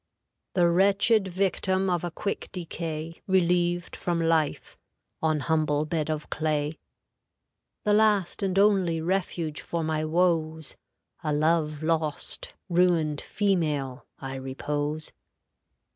"The wretched victim of a quick decay, Relieved from life, on humble bed of clay, The last and only refuge for my woes, A love lost, ruined female, I repose.